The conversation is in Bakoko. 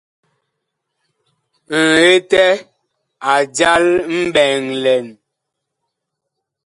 Ŋetɛ a jal mɓɛɛŋ lɛn.